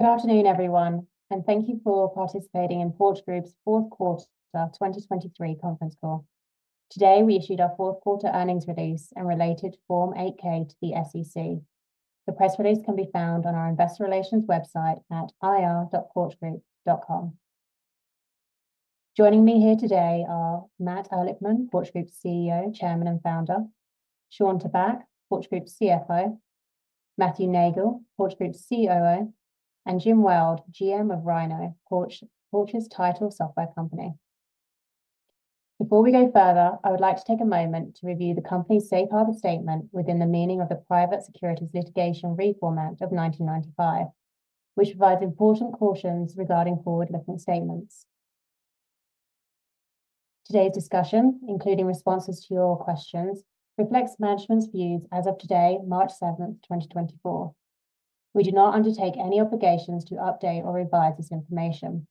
Good afternoon, everyone, and thank you for participating in Porch Group's Q4 2023 Conference Call. Today, we issued our Q4 earnings release and related Form 8-K to the SEC. The press release can be found on our investor relations website at ir.porchgroup.com. Joining me here today are Matt Ehrlichman, Porch Group's CEO, Chairman, and Founder; Shawn Tabak, Porch Group's CFO; Matthew Neagle, Porch Group's COO; and Jim Weld, GM of Rynoh, Porch's title software company. Before we go further, I would like to take a moment to review the company's safe harbor statement within the meaning of the Private Securities Litigation Reform Act of 1995, which provides important cautions regarding forward-looking statements. Today's discussion, including responses to your questions, reflects management's views as of today, 7 March, 2024. We do not undertake any obligations to update or revise this information.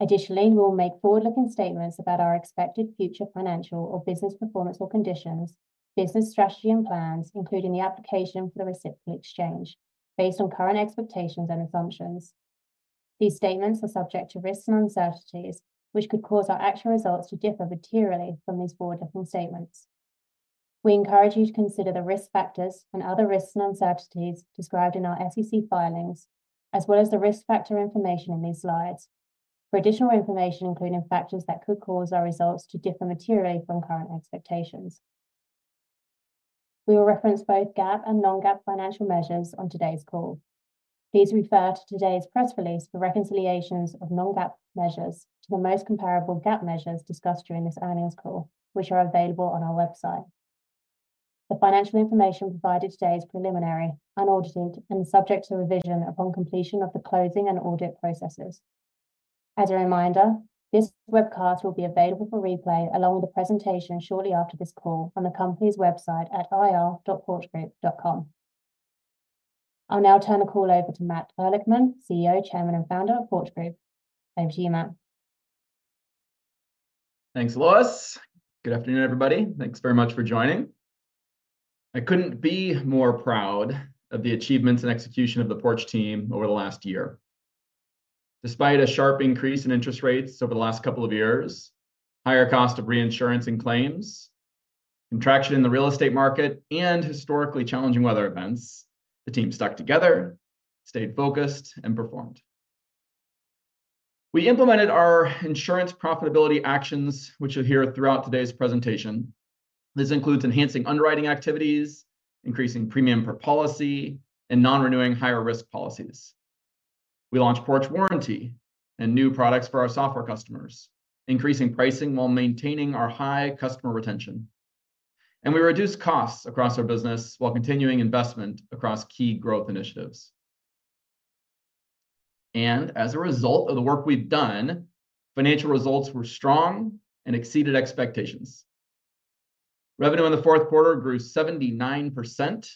Additionally, we'll make forward-looking statements about our expected future financial or business performance or conditions, business strategy, and plans, including the application for the reciprocal exchange, based on current expectations and assumptions. These statements are subject to risks and uncertainties, which could cause our actual results to differ materially from these forward-looking statements. We encourage you to consider the risk factors and other risks and uncertainties described in our SEC filings, as well as the risk factor information in these slides for additional information, including factors that could cause our results to differ materially from current expectations. We will reference both GAAP and non-GAAP financial measures on today's call. Please refer to today's press release for reconciliations of non-GAAP measures to the most comparable GAAP measures discussed during this earnings call, which are available on our website. The financial information provided today is preliminary, unaudited, and subject to revision upon completion of the closing and audit processes. As a reminder, this webcast will be available for replay, along with the presentation shortly after this call on the company's website at ir.porchgroup.com. I'll now turn the call over to Matt Ehrlichman, CEO, Chairman, and Founder of Porch Group. Over to you, Matt. Thanks, Lois. Good afternoon, everybody. Thanks very much for joining. I couldn't be more proud of the achievements and execution of the Porch team over the last year. Despite a sharp increase in interest rates over the last couple of years, higher cost of reinsurance and claims, contraction in the real estate market, and historically challenging weather events, the team stuck together, stayed focused, and performed. We implemented our insurance profitability actions, which you'll hear throughout today's presentation. This includes enhancing underwriting activities, increasing premium per policy, and non-renewing higher risk policies. We launched Porch Warranty and new products for our software customers, increasing pricing while maintaining our high customer retention. As a result of the work we've done, financial results were strong and exceeded expectations. Revenue in the Q4 grew 79%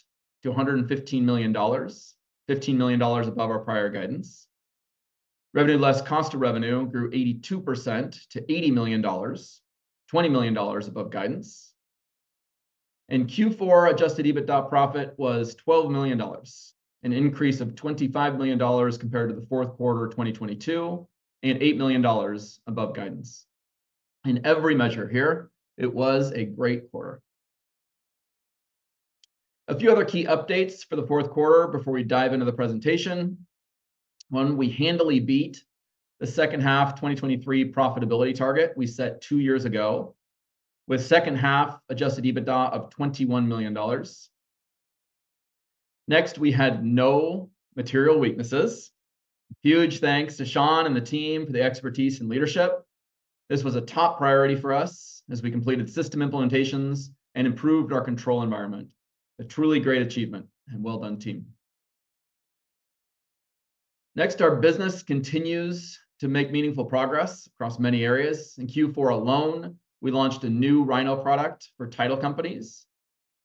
to $115 million, $15 million above our prior guidance. Revenue, less cost of revenue, grew 82% to $80 million, $20 million above guidance. Q4 adjusted EBITDA profit was $12 million, an increase of $25 million compared to the Q4 of 2022, and $8 million above guidance. In every measure here, it was a great quarter. A few other key updates for the Q4 before we dive into the presentation. One, we handily beat the second half 2023 profitability target we set two years ago, with second half adjusted EBITDA of $21 million. Next, we had no material weaknesses. Huge thanks to Shawn and the team for the expertise and leadership. This was a top priority for us as we completed system implementations and improved our control environment. A truly great achievement, and well done, team. Next, our business continues to make meaningful progress across many areas. In Q4 alone, we launched a new Rynoh product for title companies.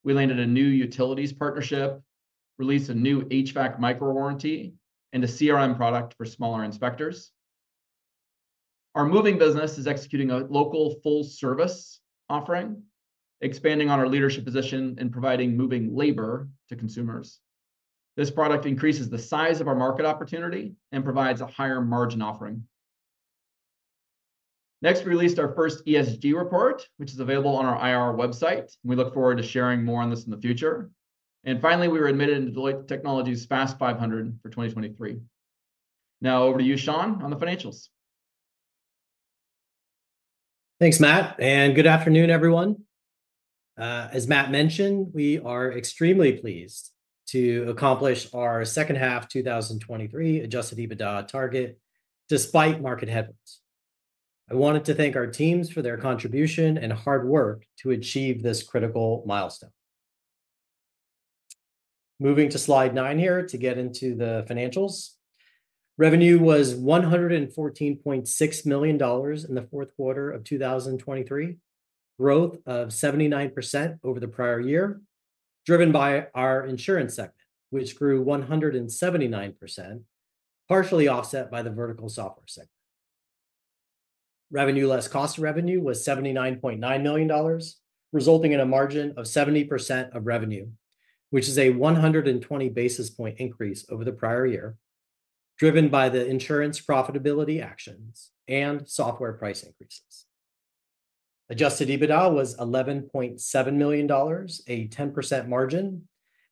We landed a new utilities partnership, released a new HVAC micro warranty, and a CRM product for smaller inspectors. Our moving business is executing a local full service offering, expanding on our leadership position, and providing moving labor to consumers. This product increases the size of our market opportunity and provides a higher margin offering. Next, we released our first ESG report, which is available on our IR website. We look forward to sharing more on this in the future. And finally, we were admitted into Deloitte Technology's Fast 500 for 2023. Now over to you, Shawn, on the financials. Thanks, Matt, and good afternoon, everyone. As Matt mentioned, we are extremely pleased to accomplish our second half 2023 Adjusted EBITDA target despite market headwinds. I wanted to thank our teams for their contribution and hard work to achieve this critical milestone. Moving to slide 9 here to get into the financials. Revenue was $114.6 million in the Q4 of 2023. Growth of 79% over the prior year, driven by our insurance sector, which grew 179%, partially offset by the vertical software sector.... Revenue less cost of revenue was $79.9 million, resulting in a margin of 70% of revenue, which is a 120 basis point increase over the prior year, driven by the insurance profitability actions and software price increases. Adjusted EBITDA was $11.7 million, a 10% margin,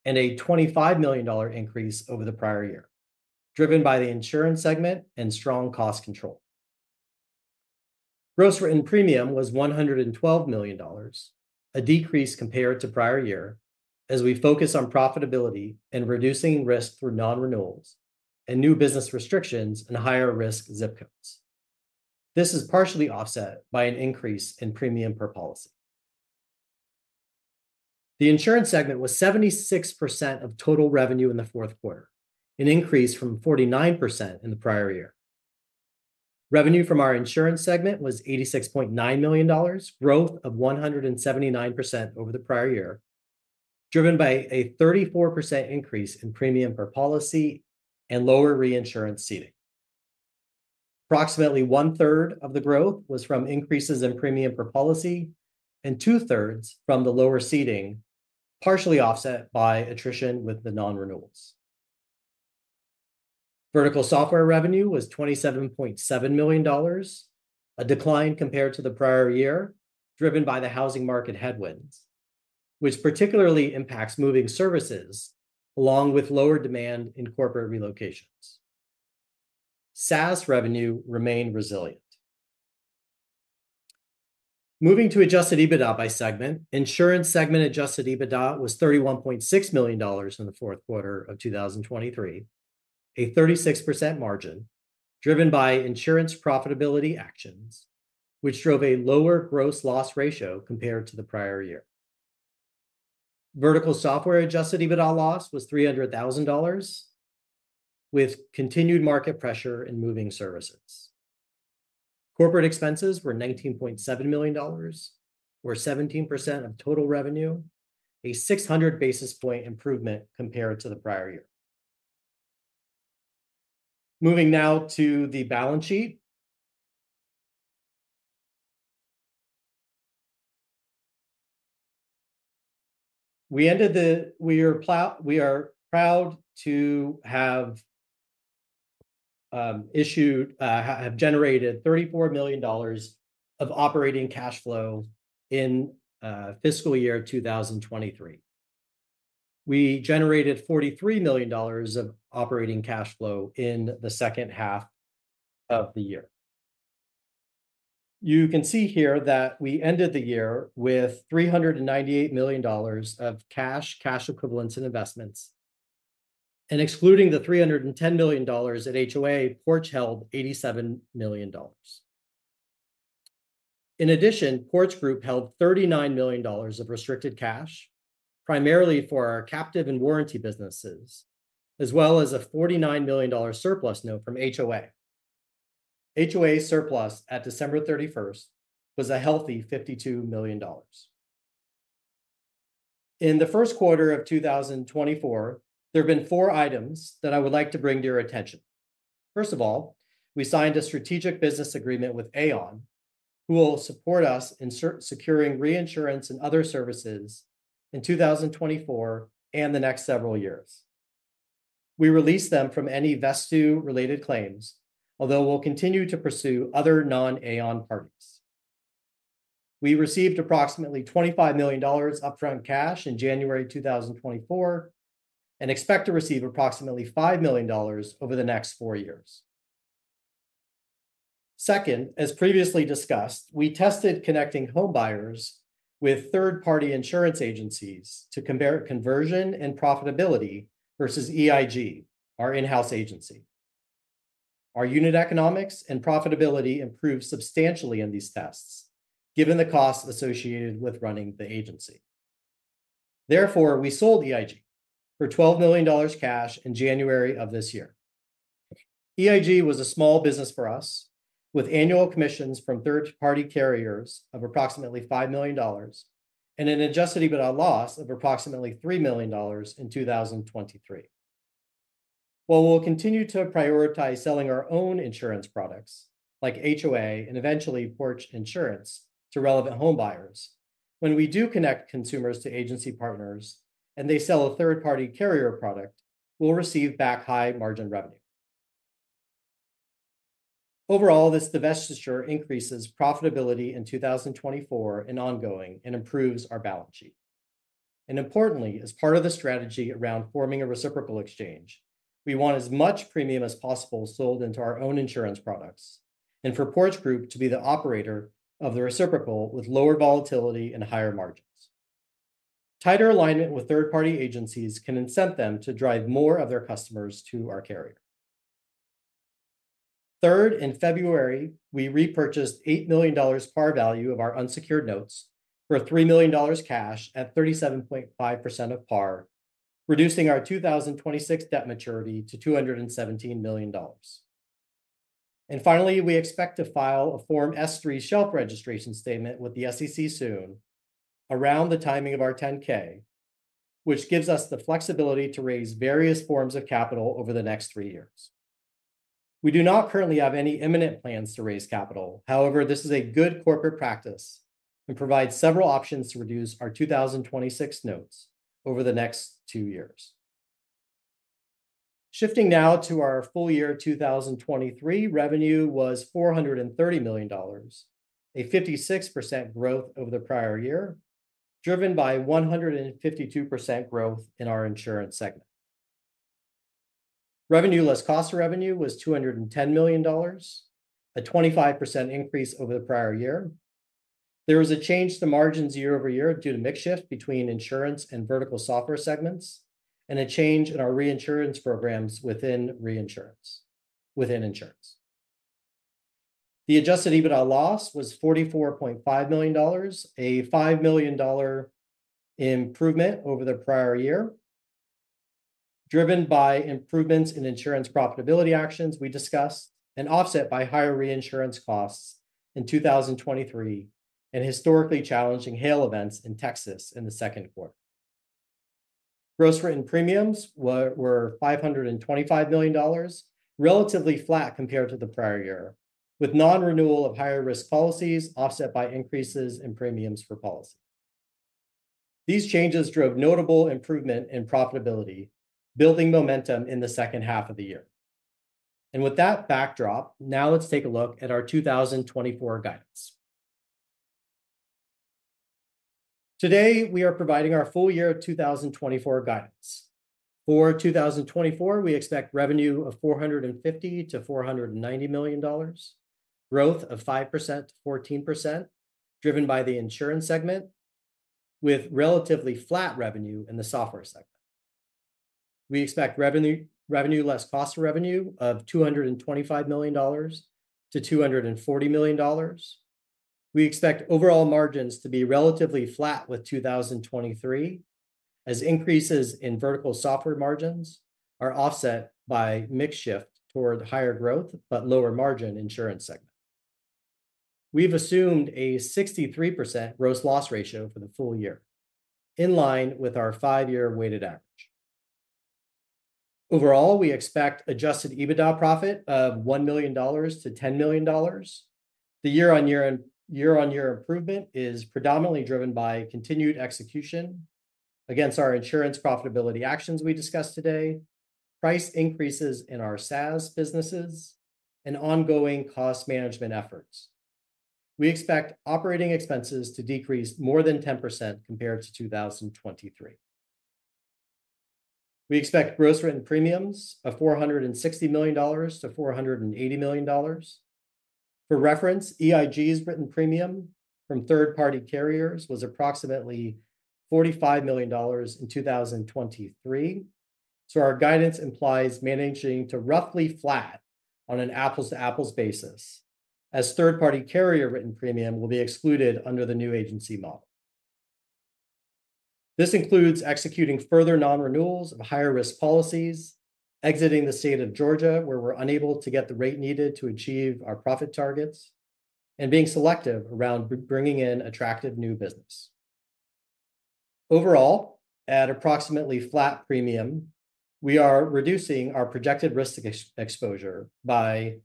and a $25 million increase over the prior year, driven by the insurance segment and strong cost control. Gross written premium was $112 million, a decrease compared to prior year, as we focus on profitability and reducing risk through non-renewals and new business restrictions in higher risk zip codes. This is partially offset by an increase in premium per policy. The insurance segment was 76% of total revenue in the Q4, an increase from 49% in the prior year. Revenue from our insurance segment was $86.9 million, growth of 179% over the prior year, driven by a 34% increase in premium per policy and lower reinsurance ceding. Approximately one-third of the growth was from increases in premium per policy and two-thirds from the lower ceding, partially offset by attrition with the non-renewals. Vertical software revenue was $27.7 million, a decline compared to the prior year, driven by the housing market headwinds, which particularly impacts moving services along with lower demand in corporate relocations. SaaS revenue remained resilient. Moving to adjusted EBITDA by segment, insurance segment adjusted EBITDA was $31.6 million in the Q4 of 2023, a 36% margin, driven by insurance profitability actions, which drove a lower gross loss ratio compared to the prior year. Vertical software adjusted EBITDA loss was $300,000, with continued market pressure in moving services. Corporate expenses were $19.7 million, or 17% of total revenue, a 600 basis point improvement compared to the prior year. Moving now to the balance sheet. We are proud to have generated $34 million of operating cash flow in fiscal year 2023. We generated $43 million of operating cash flow in the second half of the year. You can see here that we ended the year with $398 million of cash, cash equivalents, and investments. And excluding the $310 million at HOA, Porch held $87 million. In addition, Porch Group held $39 million of restricted cash, primarily for our captive and warranty businesses, as well as a $49 million surplus note from HOA. HOA surplus at December 31 was a healthy $52 million. In the Q1 of 2024, there have been four items that I would like to bring to your attention. First of all, we signed a strategic business agreement with Aon, who will support us in securing reinsurance and other services in 2024 and the next several years. We released them from any Vesttoo related claims, although we'll continue to pursue other non-Aon parties. We received approximately $25 million upfront cash in January 2024, and expect to receive approximately $5 million over the next four years. Second, as previously discussed, we tested connecting home buyers with third-party insurance agencies to compare conversion and profitability versus EIG, our in-house agency. Our unit economics and profitability improved substantially in these tests, given the costs associated with running the agency. Therefore, we sold EIG for $12 million cash in January of this year. EIG was a small business for us, with annual commissions from third-party carriers of approximately $5 million and an Adjusted EBITDA loss of approximately $3 million in 2023. While we'll continue to prioritize selling our own insurance products, like HOA and eventually Porch Insurance, to relevant home buyers, when we do connect consumers to agency partners and they sell a third-party carrier product, we'll receive back high margin revenue. Overall, this divestiture increases profitability in 2024 and ongoing and improves our balance sheet. And importantly, as part of the strategy around forming a reciprocal exchange, we want as much premium as possible sold into our own insurance products, and for Porch Group to be the operator of the reciprocal with lower volatility and higher margins. Tighter alignment with third-party agencies can incent them to drive more of their customers to our carrier. Third, in February, we repurchased $8 million par value of our unsecured notes for $3 million cash at 37.5% of par, reducing our 2026 debt maturity to $217 million. And finally, we expect to file a Form S-3 shelf registration statement with the SEC soon around the timing of our 10-K, which gives us the flexibility to raise various forms of capital over the next three years. We do not currently have any imminent plans to raise capital, however, this is a good corporate practice and provides several options to reduce our 2026 notes over the next two years. Shifting now to our full year, 2023 revenue was $430 million, a 56% growth over the prior year, driven by 152% growth in our insurance segment. Revenue less cost of revenue was $210 million, a 25% increase over the prior year. There was a change to margins year-over-year due to mix shift between insurance and vertical software segments, and a change in our reinsurance programs within insurance. The adjusted EBITDA loss was $44.5 million, a $5 million improvement over the prior year, driven by improvements in insurance profitability actions we discussed, and offset by higher reinsurance costs in 2023, and historically challenging hail events in Texas in the Q2. Gross written premiums were $525 million, relatively flat compared to the prior year, with non-renewal of higher risk policies offset by increases in premiums for policy. These changes drove notable improvement in profitability, building momentum in the second half of the year. And with that backdrop, now let's take a look at our 2024 guidance. Today, we are providing our full year of 2024 guidance. For 2024, we expect revenue of $450 million-$490 million. Growth of 5%-14%, driven by the insurance segment, with relatively flat revenue in the software segment. We expect revenue less cost of revenue of $225 million-$240 million. We expect overall margins to be relatively flat with 2023, as increases in vertical software margins are offset by mix shift toward higher growth, but lower margin insurance segment. We've assumed a 63% gross loss ratio for the full year, in line with our 5-year weighted average. Overall, we expect adjusted EBITDA profit of $1 million-$10 million. The year-on-year improvement is predominantly driven by continued execution against our insurance profitability actions we discussed today, price increases in our SaaS businesses, and ongoing cost management efforts. We expect operating expenses to decrease more than 10% compared to 2023. We expect gross written premiums of $460 million-$480 million. For reference, EIG's written premium from third-party carriers was approximately $45 million in 2023. So our guidance implies managing to roughly flat on an apples-to-apples basis, as third-party carrier written premium will be excluded under the new agency model. This includes executing further non-renewals of higher risk policies, exiting the state of Georgia, where we're unable to get the rate needed to achieve our profit targets, and being selective around bringing in attractive new business. Overall, at approximately flat premium, we are reducing our projected risk exposure by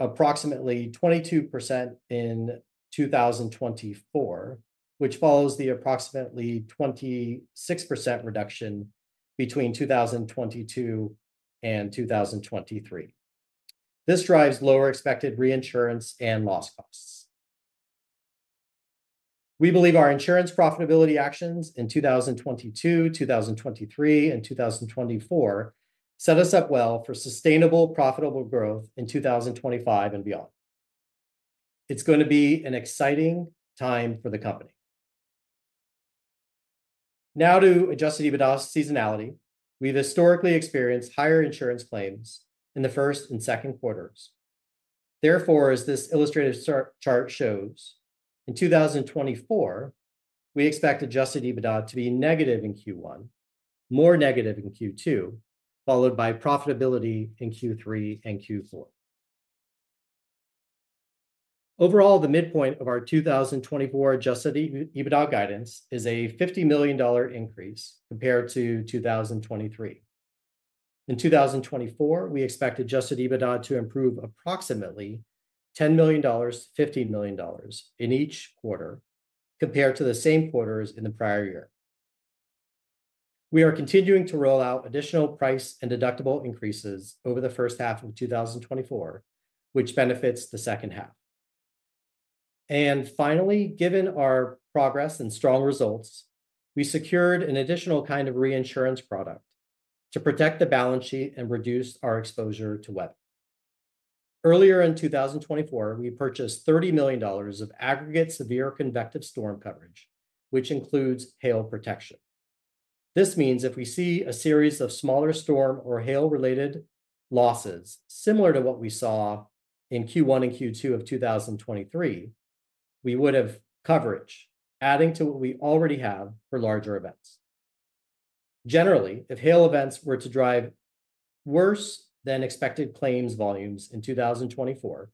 approximately 22% in 2024, which follows the approximately 26% reduction between 2022 and 2023. This drives lower expected reinsurance and loss costs. We believe our insurance profitability actions in 2022, 2023 and 2024 set us up well for sustainable, profitable growth in 2025 and beyond. It's going to be an exciting time for the company. Now to Adjusted EBITDA seasonality. We've historically experienced higher insurance claims in the first and Q2s. Therefore, as this illustrated chart shows, in 2024, we expect Adjusted EBITDA to be negative in Q1, more negative in Q2, followed by profitability in Q3 and Q4. Overall, the midpoint of our 2024 Adjusted EBITDA guidance is a $50 million increase compared to 2023. In 2024, we expect Adjusted EBITDA to improve approximately $10 million-$15 million in each quarter compared to the same quarters in the prior year. We are continuing to roll out additional price and deductible increases over the first half of 2024, which benefits the second half. Finally, given our progress and strong results, we secured an additional kind of reinsurance product to protect the balance sheet and reduce our exposure to weather. Earlier in 2024, we purchased $30 million of aggregate Severe Convective Storm Coverage, which includes hail protection. This means if we see a series of smaller storm or hail-related losses, similar to what we saw in Q1 and Q2 of 2023, we would have coverage, adding to what we already have for larger events. Generally, if hail events were to drive worse than expected claims volumes in 2024,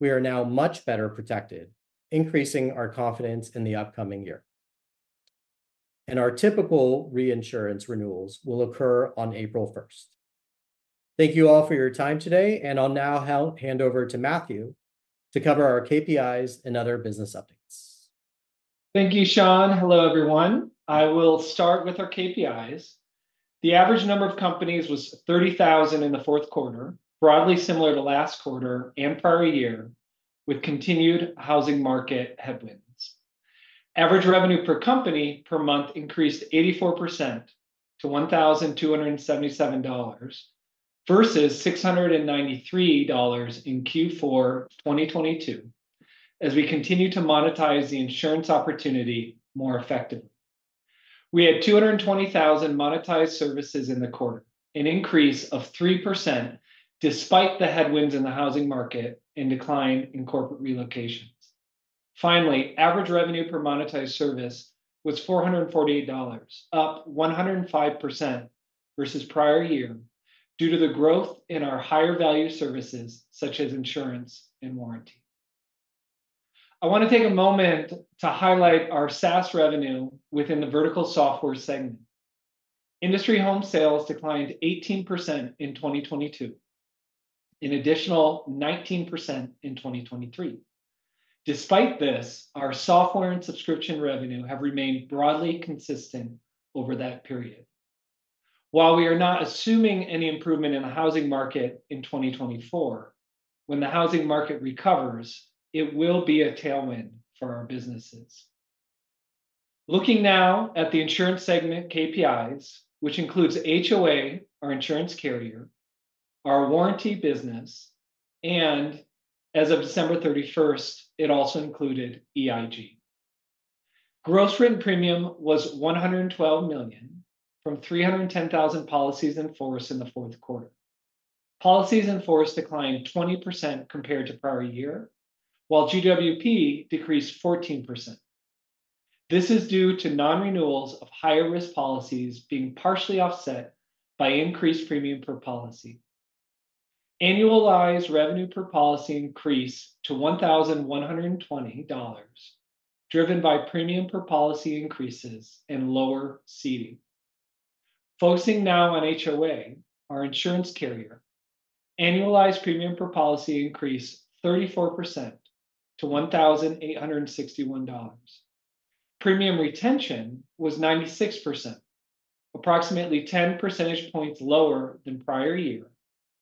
we are now much better protected, increasing our confidence in the upcoming year. Our typical reinsurance renewals will occur on 1 April. Thank you all for your time today, and I'll now hand over to Matthew to cover our KPIs and other business updates. Thank you, Shawn. Hello, everyone. I will start with our KPIs. The average number of companies was 30,000 in the Q4, broadly similar to last quarter and prior year, with continued housing market headwinds. Average revenue per company per month increased 84% to $1,277, versus $693 in Q4 2022, as we continue to monetize the insurance opportunity more effectively. We had 220,000 monetized services in the quarter, an increase of 3% despite the headwinds in the housing market and decline in corporate relocations. Finally, average revenue per monetized service was $448, up 105% versus prior year, due to the growth in our higher value services, such as insurance and warranty. I want to take a moment to highlight our SaaS revenue within the vertical software segment. Industry home sales declined 18% in 2022, an additional 19% in 2023. Despite this, our software and subscription revenue have remained broadly consistent over that period. While we are not assuming any improvement in the housing market in 2024, when the housing market recovers, it will be a tailwind for our businesses. Looking now at the insurance segment KPIs, which includes HOA, our insurance carrier, our warranty business, and as of December 31st, it also included EIG. Gross Written Premium was $112 million, from 310,000 policies in force in the Q4. Policies in force declined 20% compared to prior year, while GWP decreased 14%. This is due to non-renewals of higher risk policies being partially offset by increased premium per policy. Annualized revenue per policy increased to $1,120, driven by premium per policy increases and lower seeding. Focusing now on HOA, our insurance carrier, annualized premium per policy increased 34% to $1,861. Premium retention was 96%, approximately 10 percentage points lower than prior year,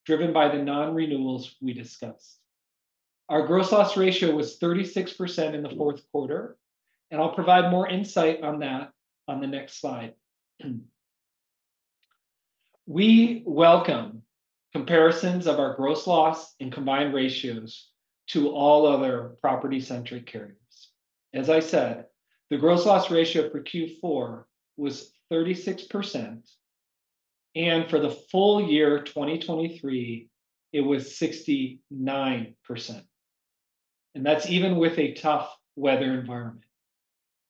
driven by the non-renewals we discussed. Our gross loss ratio was 36% in the Q4, and I'll provide more insight on that on the next slide. We welcome comparisons of our gross loss and combined ratios to all other property-centric carriers. As I said, the gross loss ratio for Q4 was 36%, and for the full year 2023, it was 69%, and that's even with a tough weather environment.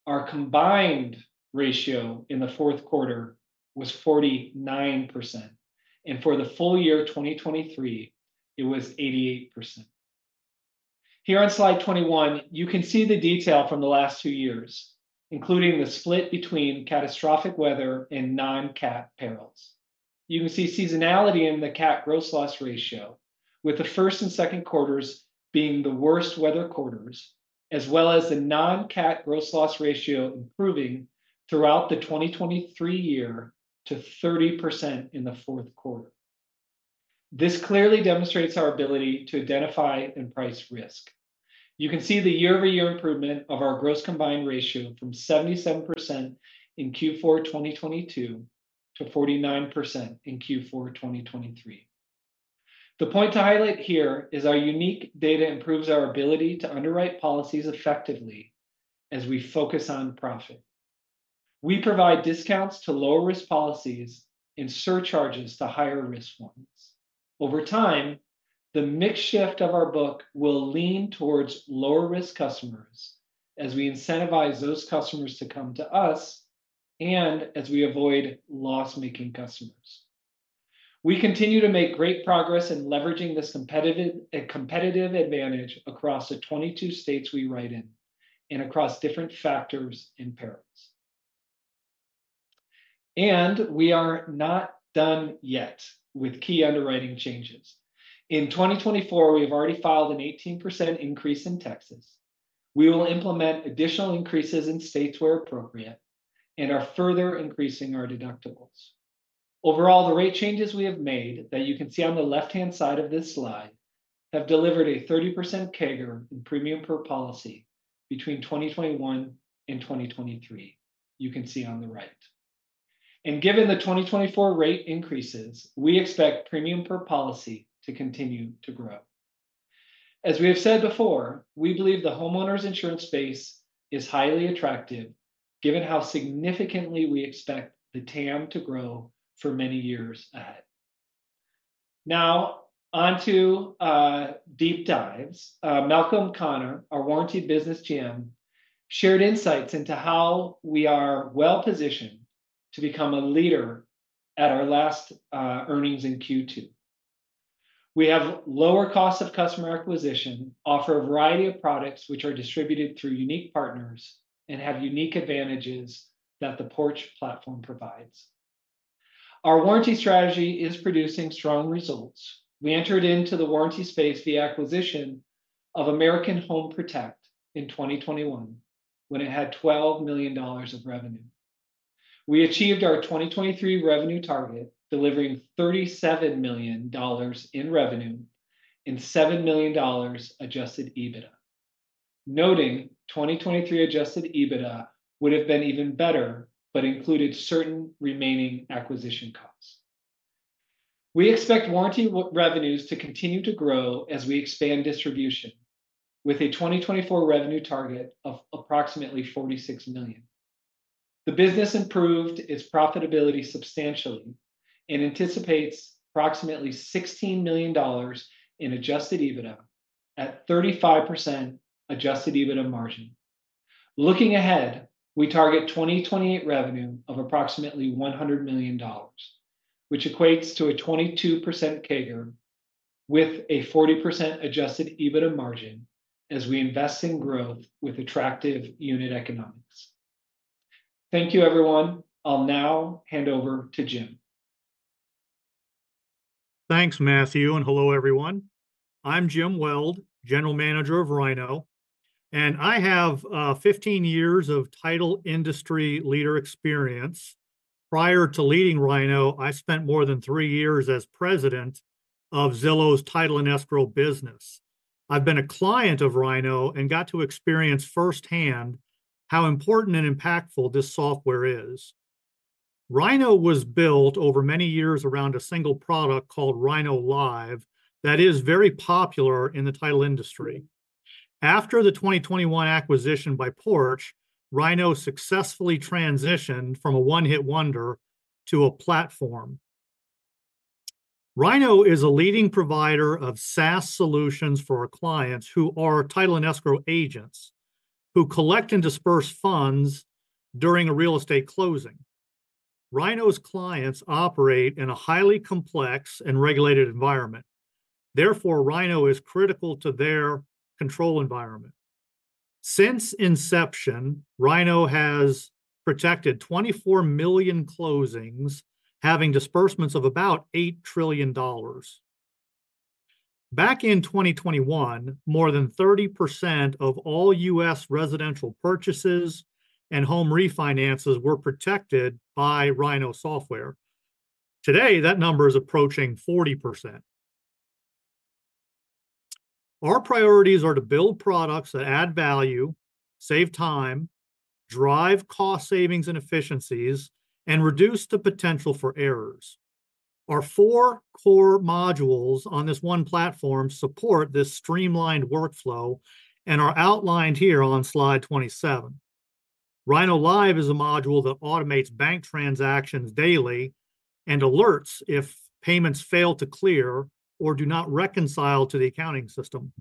Our combined ratio in the Q4 was 49%, and for the full year 2023, it was 88%. Here on slide 21, you can see the detail from the last two years, including the split between catastrophic weather and non-cat perils. You can see seasonality in the cat gross loss ratio, with the first and Q2s being the worst weather quarters, as well as the non-cat gross loss ratio improving throughout the 2023 year to 30% in the Q4. This clearly demonstrates our ability to identify and price risk. You can see the year-over-year improvement of our gross combined ratio from 77% in Q4 2022 to 49% in Q4 2023. The point to highlight here is our unique data improves our ability to underwrite policies effectively as we focus on profit. We provide discounts to lower-risk policies and surcharges to higher-risk ones. Over time, the mix shift of our book will lean towards lower-risk customers as we incentivize those customers to come to us and as we avoid loss-making customers. We continue to make great progress in leveraging this competitive advantage across the 22 states we write in and across different factors and perils. We are not done yet with key underwriting changes. In 2024, we have already filed an 18% increase in Texas. We will implement additional increases in states where appropriate and are further increasing our deductibles. Overall, the rate changes we have made, that you can see on the left-hand side of this slide, have delivered a 30% CAGR in premium per policy between 2021 and 2023, you can see on the right. Given the 2024 rate increases, we expect premium per policy to continue to grow. As we have said before, we believe the homeowners' insurance space is highly attractive, given how significantly we expect the TAM to grow for many years ahead. Now onto deep dives. Malcolm Conner, our warranty business GM, shared insights into how we are well-positioned to become a leader at our last earnings in Q2. We have lower costs of customer acquisition, offer a variety of products which are distributed through unique partners, and have unique advantages that the Porch platform provides. Our warranty strategy is producing strong results. We entered into the warranty space, the acquisition of American Home Protect, in 2021, when it had $12 million of revenue. We achieved our 2023 revenue target, delivering $37 million in revenue and $7 million Adjusted EBITDA. Noting, 2023 Adjusted EBITDA would have been even better but included certain remaining acquisition costs. We expect warranty revenues to continue to grow as we expand distribution, with a 2024 revenue target of approximately $46 million. The business improved its profitability substantially and anticipates approximately $16 million in adjusted EBITDA at 35% adjusted EBITDA margin. Looking ahead, we target 2028 revenue of approximately $100 million, which equates to a 22% CAGR, with a 40% adjusted EBITDA margin as we invest in growth with attractive unit economics. Thank you, everyone. I'll now hand over to Jim. Thanks, Matthew, and hello, everyone. I'm Jim Weld, General Manager of Rynoh, and I have 15 years of title industry leadership experience. Prior to leading Rynoh, I spent more than three years as president of Zillow's title and escrow business. I've been a client of Rynoh and got to experience firsthand how important and impactful this software is. Rynoh was built over many years around a single product called RynohLive that is very popular in the title industry. After the 2021 acquisition by Porch, Rynoh successfully transitioned from a one-hit wonder to a platform. Rynoh is a leading provider of SaaS solutions for our clients, who are title and escrow agents, who collect and disburse funds during a real estate closing. Rynoh's clients operate in a highly complex and regulated environment, therefore, Rynoh is critical to their control environment. Since inception, Rynoh has protected 24 million closings, having disbursements of about $8 trillion. Back in 2021, more than 30% of all U.S. residential purchases and home refinances were protected by Rynoh software. Today, that number is approaching 40%. Our priorities are to build products that add value, save time, drive cost savings and efficiencies, and reduce the potential for errors. Our four core modules on this one platform support this streamlined workflow and are outlined here on slide 27. Rynoh Live is a module that automates bank transactions daily and alerts if payments fail to clear or do not reconcile to the accounting system.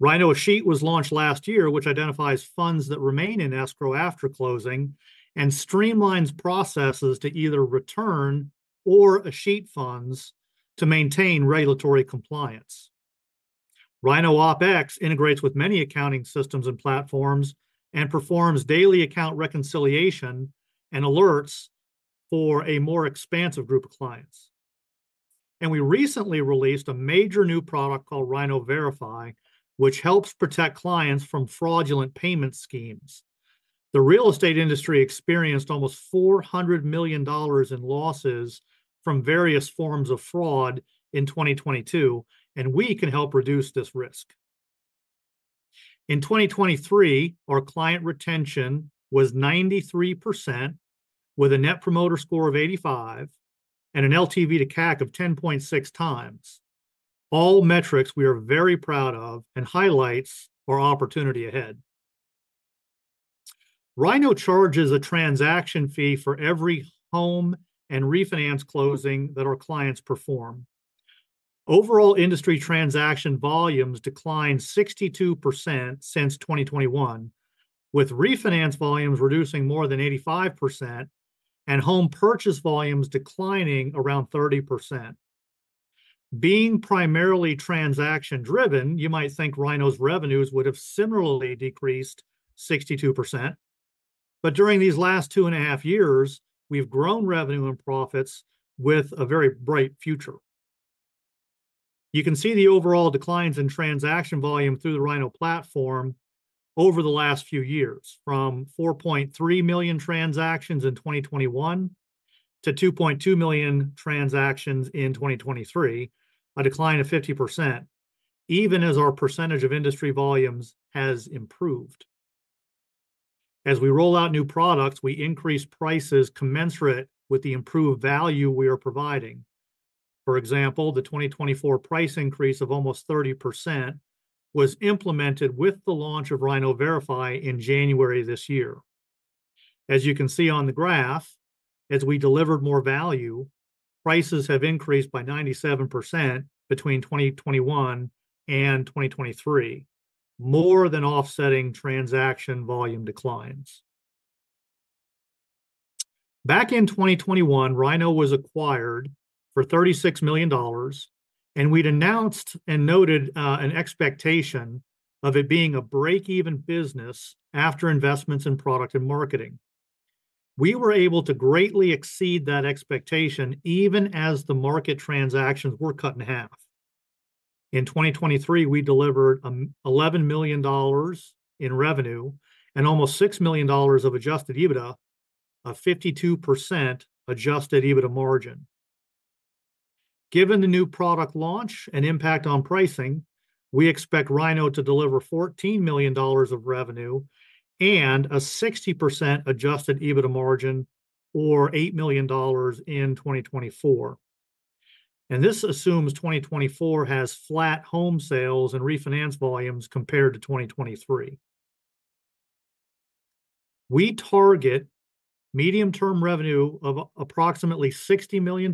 RynohEscheat was launched last year, which identifies funds that remain in escrow after closing and streamlines processes to either return or escheat funds to maintain regulatory compliance. Rynoh OpX integrates with many accounting systems and platforms and performs daily account reconciliation and alerts for a more expansive group of clients. We recently released a major new product called Rynoh Verify, which helps protect clients from fraudulent payment schemes. The real estate industry experienced almost $400 million in losses from various forms of fraud in 2022, and we can help reduce this risk. In 2023, our client retention was 93%, with a net promoter score of 85 and an LTV to CAC of 10.6x. All metrics we are very proud of and highlights our opportunity ahead. Rynoh charges a transaction fee for every home and refinance closing that our clients perform. Overall, industry transaction volumes declined 62% since 2021, with refinance volumes reducing more than 85% and home purchase volumes declining around 30%. Being primarily transaction-driven, you might think Rynoh's revenues would have similarly decreased 62%. But during these last two and a half years, we've grown revenue and profits with a very bright future. You can see the overall declines in transaction volume through the Rynoh platform over the last few years, from 4.3 million transactions in 2021 to 2.2 million transactions in 2023, a decline of 50%, even as our percentage of industry volumes has improved. As we roll out new products, we increase prices commensurate with the improved value we are providing. For example, the 2024 price increase of almost 30% was implemented with the launch of Rynoh Verify in January this year. As you can see on the graph, as we delivered more value, prices have increased by 97% between 2021 and 2023, more than offsetting transaction volume declines. Back in 2021, Rynoh was acquired for $36 million, and we'd announced and noted an expectation of it being a break-even business after investments in product and marketing. We were able to greatly exceed that expectation, even as the market transactions were cut in half. In 2023, we delivered $ 11 million in revenue and almost $6 million of Adjusted EBITDA, a 52% Adjusted EBITDA margin. Given the new product launch and impact on pricing, we expect Rynoh to deliver $14 million of revenue and a 60% Adjusted EBITDA margin, or $8 million in 2024. And this assumes 2024 has flat home sales and refinance volumes compared to 2023. We target medium-term revenue of approximately $60 million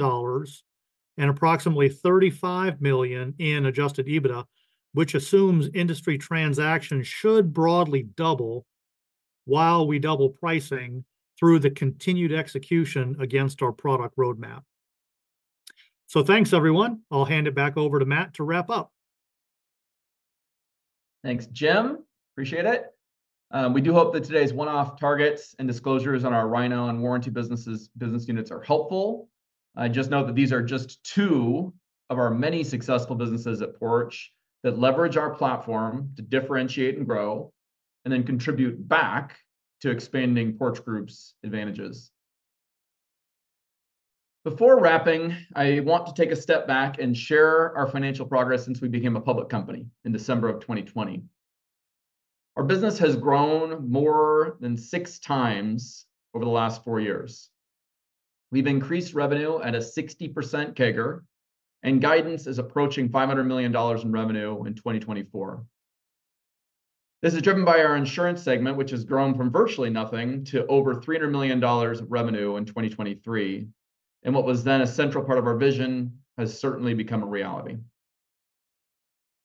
and approximately $35 million in adjusted EBITDA, which assumes industry transactions should broadly double, while we double pricing through the continued execution against our product roadmap. Thanks, everyone. I'll hand it back over to Matt to wrap up. Thanks, Jim. Appreciate it. We do hope that today's one-off targets and disclosures on our Rynoh and warranty businesses, business units are helpful. Just note that these are just 2 of our many successful businesses at Porch that leverage our platform to differentiate and grow, and then contribute back to expanding Porch Group's advantages. Before wrapping, I want to take a step back and share our financial progress since we became a public company in December of 2020. Our business has grown more than six times over the last four years. We've increased revenue at a 60% CAGR, and guidance is approaching $500 million in revenue in 2024. This is driven by our insurance segment, which has grown from virtually nothing to over $300 million of revenue in 2023, and what was then a central part of our vision has certainly become a reality.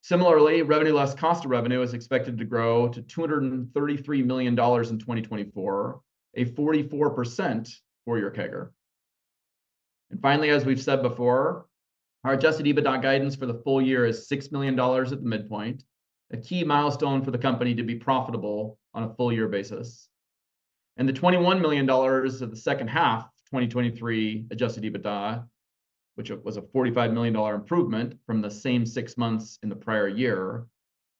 Similarly, revenue less cost of revenue is expected to grow to $233 million in 2024, a 44% year-over-year CAGR. And finally, as we've said before, our adjusted EBITDA guidance for the full year is $6 million at the midpoint, a key milestone for the company to be profitable on a full year basis. And the $21 million of the second half of 2023 adjusted EBITDA, which it was a $45 million improvement from the same six months in the prior year,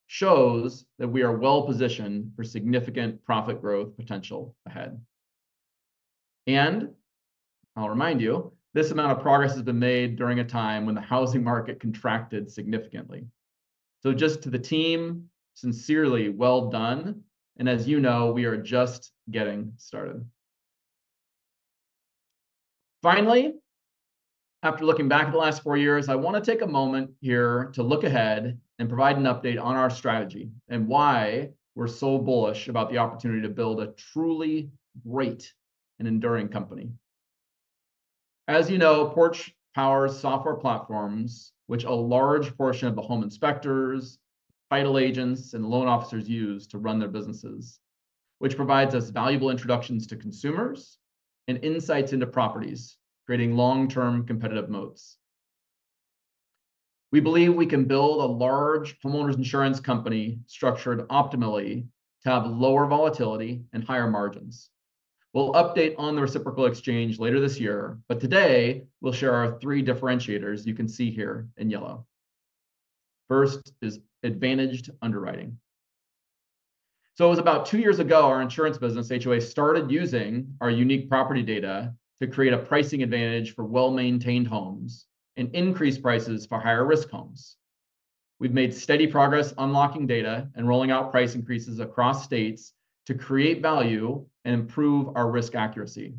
shows that we are well-positioned for significant profit growth potential ahead. I'll remind you, this amount of progress has been made during a time when the housing market contracted significantly. So just to the team, sincerely, well done, and as you know, we are just getting started. Finally, after looking back at the last four years, I want to take a moment here to look ahead and provide an update on our strategy, and why we're so bullish about the opportunity to build a truly great and enduring company. As you know, Porch powers software platforms, which a large portion of the home inspectors, title agents, and loan officers use to run their businesses, which provides us valuable introductions to consumers and insights into properties, creating long-term competitive moats. We believe we can build a large homeowners insurance company structured optimally to have lower volatility and higher margins. We'll update on the reciprocal exchange later this year, but today, we'll share our three differentiators you can see here in yellow. First is advantaged underwriting. So it was about years years ago, our insurance business, HOA, started using our unique property data to create a pricing advantage for well-maintained homes and increase prices for higher-risk homes. We've made steady progress unlocking data and rolling out price increases across states to create value and improve our risk accuracy.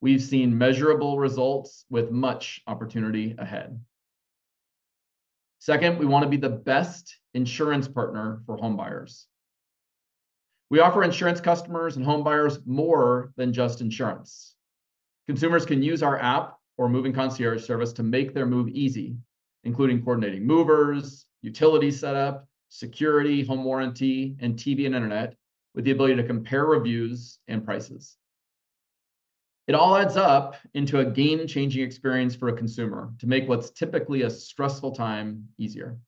We've seen measurable results with much opportunity ahead. Second, we want to be the best insurance partner for home buyers. We offer insurance customers and home buyers more than just insurance. Consumers can use our app or moving concierge service to make their move easy, including coordinating movers, utility setup, security, home warranty, and TV and internet, with the ability to compare reviews and prices. It all adds up into a game-changing experience for a consumer to make what's typically a stressful time easier.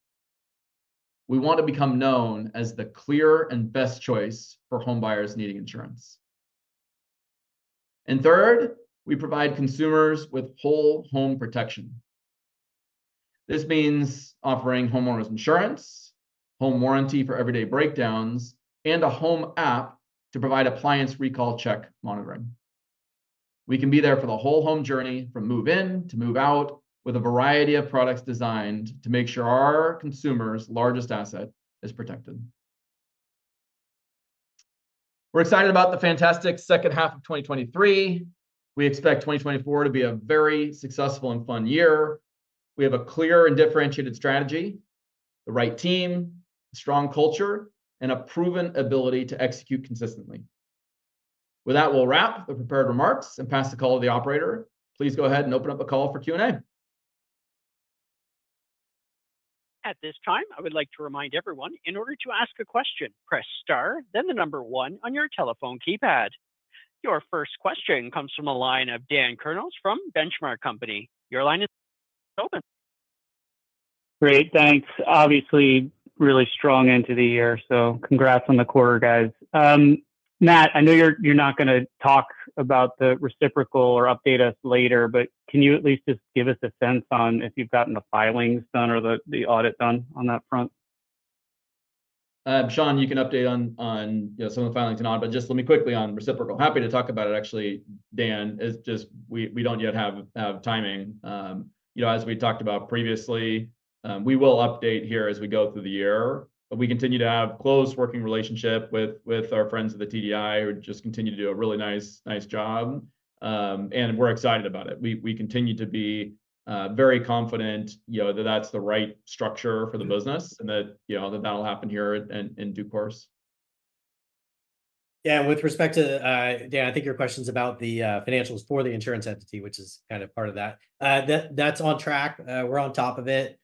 We want to become known as the clear and best choice for home buyers needing insurance. And third, we provide consumers with whole home protection. This means offering homeowners insurance, home warranty for everyday breakdowns, and a home app to provide appliance recall check monitoring. We can be there for the whole home journey, from move-in to move-out, with a variety of products designed to make sure our consumers' largest asset is protected. We're excited about the fantastic second half of 2023. We expect 2024 to be a very successful and fun year. We have a clear and differentiated strategy... the right team, strong culture, and a proven ability to execute consistently. With that, we'll wrap the prepared remarks and pass the call to the operator. Please go ahead and open up the call for Q&A. At this time, I would like to remind everyone, in order to ask a question, press star, then the number one on your telephone keypad. Your first question comes from the line of Dan Kurnos from The Benchmark Company. Your line is open. Great, thanks. Obviously, really strong end to the year, so congrats on the quarter, guys. Matt, I know you're not gonna talk about the reciprocal or update us later, but can you at least just give us a sense on if you've gotten the filings done or the audit done on that front? Shawn, you can update on, you know, some of the filings and on, but just let me quickly on reciprocal. Happy to talk about it, actually, Dan. It's just we don't yet have timing. You know, as we talked about previously, we will update here as we go through the year, but we continue to have close working relationship with our friends at the TDI, who just continue to do a really nice job. And we're excited about it. We continue to be very confident, you know, that that's the right structure for the business, and that, you know, that that'll happen here in due course. Yeah, with respect to Dan, I think your question's about the financials for the insurance entity, which is kind of part of that. That, that's on track. We're on top of it.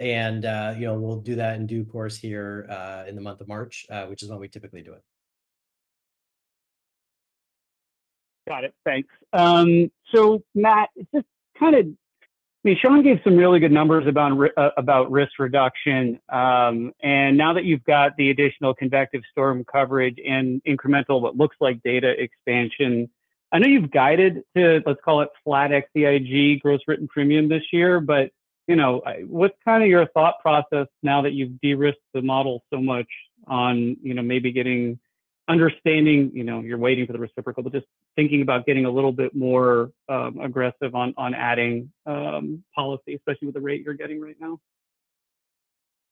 And you know, we'll do that in due course here in the month of March, which is when we typically do it. Got it. Thanks. So Matt, just kind of I mean, Sean gave some really good numbers about risk reduction. And now that you've got the additional convective storm coverage and incremental, what looks like data expansion, I know you've guided to, let's call it flat XCIG gross written premium this year. But, you know, what's kind of your thought process now that you've de-risked the model so much on, you know, maybe getting understanding, you know, you're waiting for the reciprocal, but just thinking about getting a little bit more aggressive on adding policy, especially with the rate you're getting right now?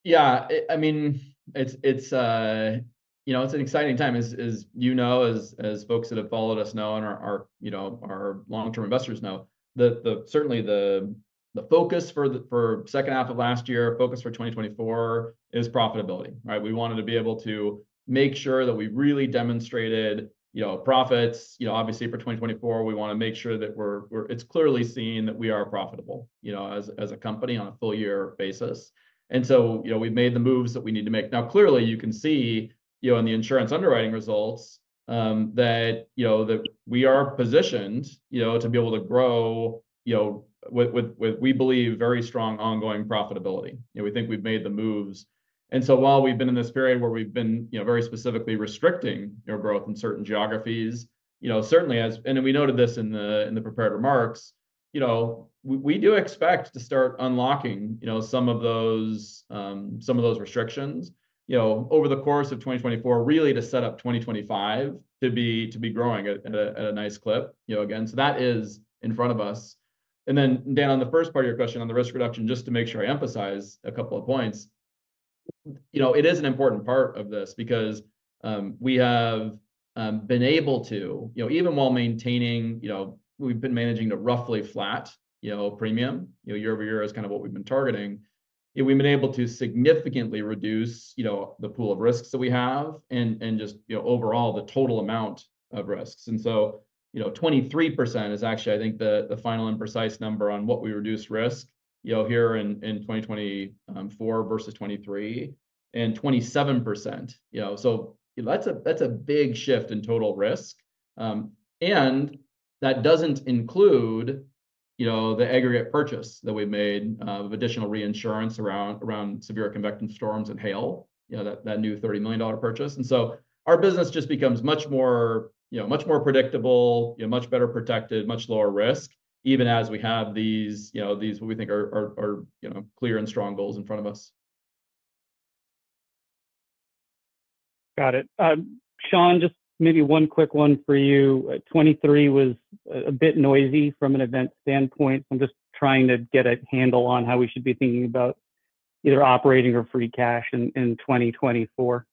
Yeah, I mean, it's, you know, it's an exciting time. As you know, as folks that have followed us know, and our, you know, our long-term investors know, the certainly, the focus for the second half of last year, focus for 2024 is profitability, right? We wanted to be able to make sure that we really demonstrated, you know, profits. You know, obviously, for 2024, we wanna make sure that we're it's clearly seen that we are profitable, you know, as a company on a full year basis. And so, you know, we've made the moves that we need to make. Now, clearly, you can see, you know, in the insurance underwriting results, that, you know, that we are positioned, you know, to be able to grow, you know, with, with, with, we believe, very strong ongoing profitability. You know, we think we've made the moves. And so while we've been in this period where we've been, you know, very specifically restricting our growth in certain geographies, you know, certainly as... And we noted this in the, in the prepared remarks, you know, we, we do expect to start unlocking, you know, some of those, some of those restrictions, you know, over the course of 2024, really to set up 2025 to be, to be growing at a, at a nice clip, you know, again. So that is in front of us. And then, Dan, on the first part of your question, on the risk reduction, just to make sure I emphasize a couple of points. You know, it is an important part of this because, we have, been able to, you know, even while maintaining, you know, we've been managing a roughly flat, you know, premium. You know, year-over-year is kind of what we've been targeting. And we've been able to significantly reduce, you know, the pool of risks that we have and, and just, you know, overall, the total amount of risks. And so, you know, 23% is actually, I think, the, the final and precise number on what we reduced risk, you know, here in, in 2024 versus 2023, and 27%, you know. So that's a, that's a big shift in total risk. And that doesn't include, you know, the aggregate purchase that we made, of additional reinsurance around severe convective storms and hail, you know, that new $30 million purchase. And so our business just becomes much more, you know, much more predictable, you know, much better protected, much lower risk, even as we have these, you know, these what we think are, you know, clear and strong goals in front of us. Got it. Shawn, just maybe one quick one for you. 2023 was a bit noisy from an event standpoint, so I'm just trying to get a handle on how we should be thinking about either operating or free cash in 2024. Yeah,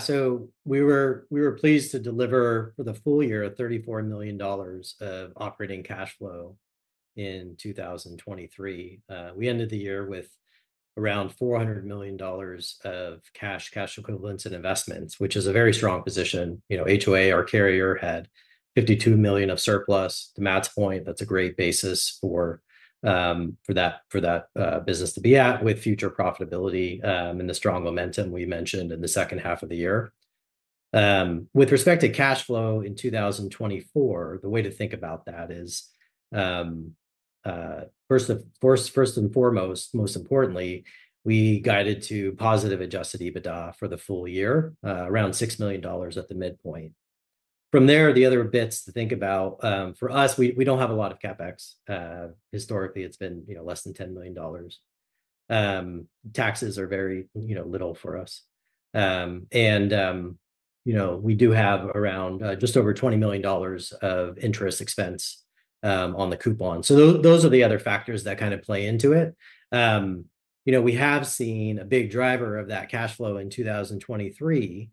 so we were pleased to deliver for the full year $34 million of operating cash flow in 2023. We ended the year with around $400 million of cash, cash equivalents, and investments, which is a very strong position. You know, HOA, our carrier, had $52 million of surplus. To Matt's point, that's a great basis for that business to be at with future profitability and the strong momentum we mentioned in the second half of the year. With respect to cash flow in 2024, the way to think about that is first and foremost, most importantly, we guided to positive Adjusted EBITDA for the full year around $6 million at the midpoint. From there, the other bits to think about, for us, we, we don't have a lot of CapEx. Historically, it's been, you know, less than $10 million. Taxes are very, you know, little for us. And, you know, we do have around, just over $20 million of interest expense, on the coupon. So those are the other factors that kind of play into it. You know, we have seen a big driver of that cash flow in 2023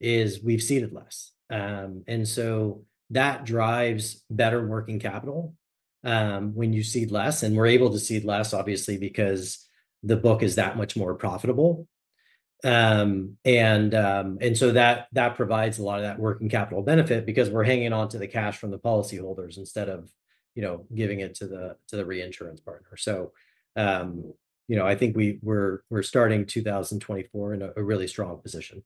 is we've ceded less. And so that drives better working capital, when you cede less, and we're able to cede less, obviously, because the book is that much more profitable. So that provides a lot of that working capital benefit because we're hanging on to the cash from the policyholders instead of, you know, giving it to the reinsurance partner. So, you know, I think we're starting 2024 in a really strong position.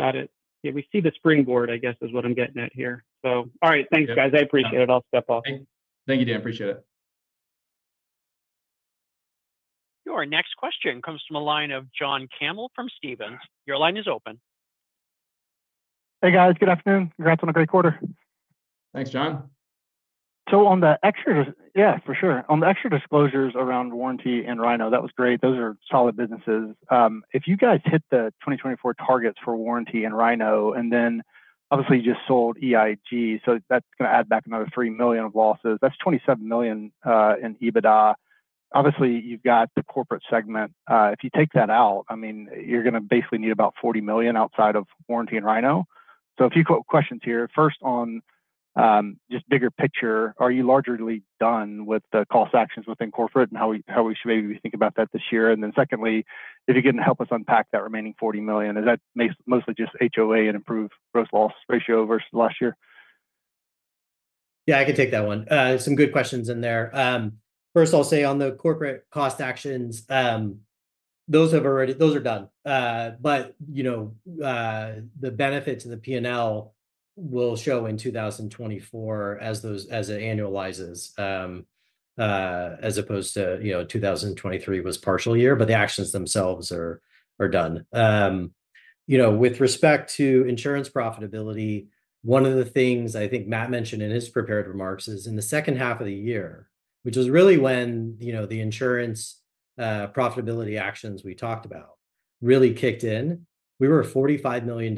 Got it. Yeah, we see the springboard, I guess, is what I'm getting at here. So all right, thanks, guys. Yep. I appreciate it. I'll step off. Thank you, Dan. Appreciate it. Your next question comes from the line of John Campbell from Stephens. Your line is open. Hey, guys. Good afternoon. Congrats on a great quarter. Thanks, John. So on the extra-- yeah, for sure. On the extra disclosures around warranty and Rynoh, that was great. Those are solid businesses. If you guys hit the 2024 targets for warranty and Rynoh, and then obviously, you just sold EIG, so that's gonna add back another $3 million of losses. That's $27 million in EBITDA. Obviously, you've got the corporate segment. If you take that out, I mean, you're gonna basically need about $40 million outside of warranty and Rynoh. So a few questions here. First, on, just bigger picture, are you largely done with the cost actions within corporate and how we, how we should maybe think about that this year? And then secondly, if you can help us unpack that remaining $40 million, is that mostly just HOA and improved gross loss ratio versus last year? Yeah, I can take that one. Some good questions in there. First, I'll say on the corporate cost actions, those have already... Those are done. But, you know, the benefit to the P&L will show in 2024 as those- as it annualizes. As opposed to, you know, 2023 was partial year, but the actions themselves are done. You know, with respect to insurance profitability, one of the things I think Matt mentioned in his prepared remarks is in the second half of the year, which is really when, you know, the insurance profitability actions we talked about really kicked in, we were $45 million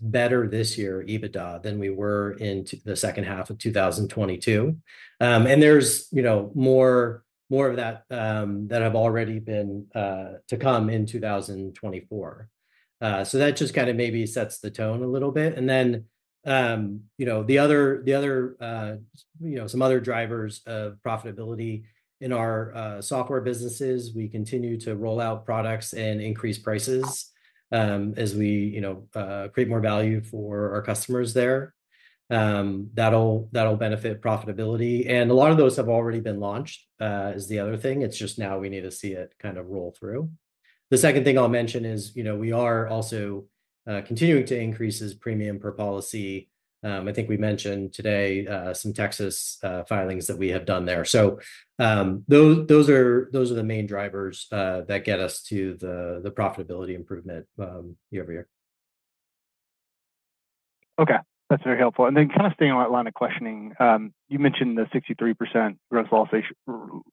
better this year, EBITDA, than we were in the second half of 2022. And there's, you know, more, more of that, that have already been, to come in 2024. So that just kind of maybe sets the tone a little bit. And then, you know, the other, the other, you know, some other drivers of profitability in our, software businesses, we continue to roll out products and increase prices, as we, you know, create more value for our customers there. That'll, that'll benefit profitability, and a lot of those have already been launched, is the other thing. It's just now we need to see it kind of roll through. The second thing I'll mention is, you know, we are also, continuing to increase his premium per policy. I think we mentioned today, some Texas, filings that we have done there. Those are, those are the main drivers that get us to the profitability improvement year over year. Okay, that's very helpful. Then kind of staying on that line of questioning, you mentioned the 63% gross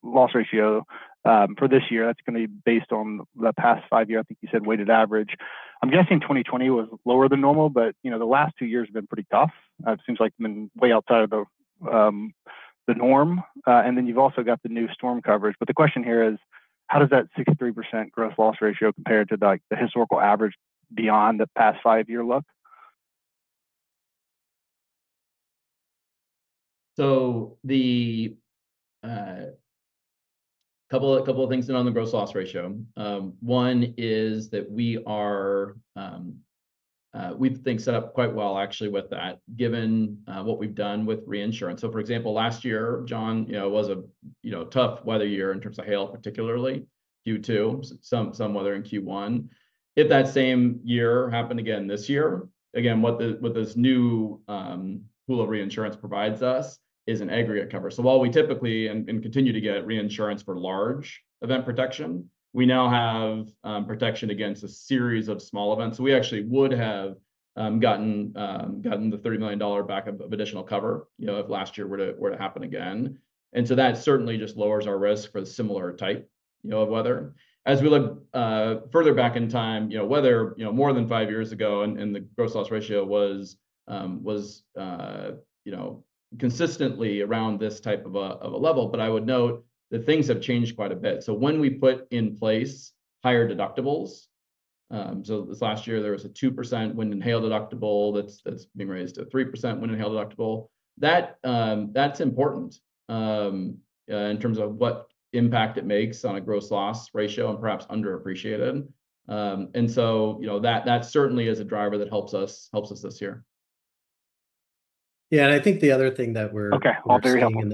loss ratio for this year. That's gonna be based on the past five-year, I think you said, weighted average. I'm guessing 2020 was lower than normal, but, you know, the last two years have been pretty tough. It seems like been way outside of the, the norm. And then you've also got the new storm coverage. But the question here is: how does that 63% gross loss ratio compare to, like, the historical average beyond the past five-year look? So the couple of things on the gross loss ratio. One is that we are, we've been set up quite well, actually, with that, given what we've done with reinsurance. So, for example, last year, John, you know, it was a you know, tough weather year in terms of hail, particularly, Q2, some weather in Q1. If that same year happened again this year, again, what this new pool of reinsurance provides us is an aggregate cover. So while we typically, and continue to get reinsurance for large event protection, we now have protection against a series of small events. So we actually would have gotten the $30 million backup of additional cover, you know, if last year were to happen again. And so that certainly just lowers our risk for a similar type, you know, of weather. As we look further back in time, you know, weather you know more than five years ago, and the gross loss ratio was you know consistently around this type of a level, but I would note that things have changed quite a bit. So when we put in place higher deductibles, so this last year there was a 2% wind and hail deductible that's been raised to 3% wind and hail deductible. That's important in terms of what impact it makes on a gross loss ratio and perhaps underappreciated. And so, you know, that certainly is a driver that helps us this year. Yeah, and I think the other thing that we're- Okay. Oh, very helpful.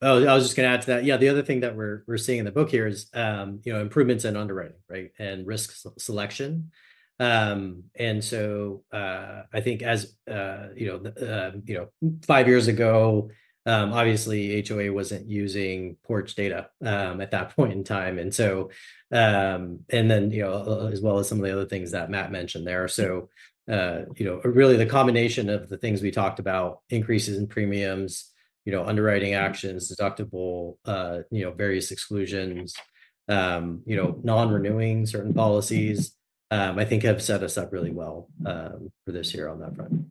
Oh, I was just gonna add to that. Yeah, the other thing that we're seeing in the book here is, you know, improvements in underwriting, right, and risk selection. And so, I think as, you know, you know, five years ago, obviously, HOA wasn't using Porch data, at that point in time, and so... And then, you know, as well as some of the other things that Matt mentioned there. So, you know, really the combination of the things we talked about, increases in premiums, you know, underwriting actions, deductible, you know, various exclusions, you know, non-renewing certain policies, I think have set us up really well, for this year on that front. ...